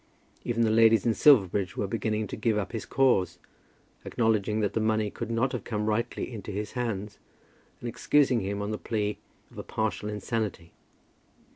Even the ladies in Silverbridge were beginning to give up his cause, acknowledging that the money could not have come rightfully into his hands, and excusing him on the plea of partial insanity.